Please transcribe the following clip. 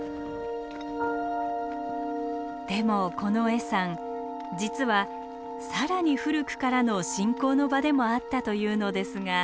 でもこの恵山実は更に古くからの信仰の場でもあったというのですが。